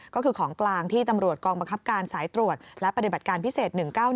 ก็คือของกลางที่ตำรวจกองบังคับการสายตรวจและปฏิบัติการพิเศษ๑๙๑